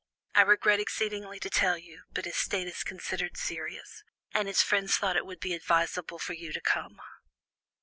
I regret exceedingly to tell you, but his state is considered serious, and his friends thought it would be advisable for you to come."